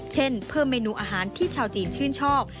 เช่นเพิ่มเมนูอาหารที่ชาวจีนชื่นชอบ